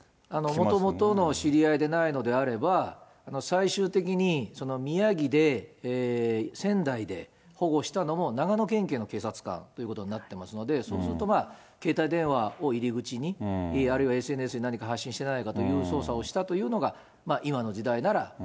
もともとの知り合いでないのであれば、最終的に宮城で仙台で保護したのも、長野県警の警察官ということになってますので、そうすると、携帯電話を入り口に、あるいはＳＮＳで何か発信してないかという捜査をしたというのが、今の時代なら。